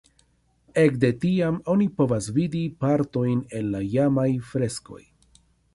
Ekde tiam oni povas vidi partojn el la iamaj freskoj.